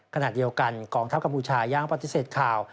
ขณะเดียวกันกองทัพกัมพูชายังปฏิเสธข่าว